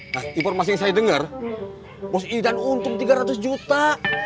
nah informasi yang saya dengar pos idan untung tiga ratus juta